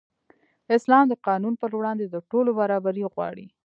اسلام د قانون پر وړاندې د ټولو برابري غواړي.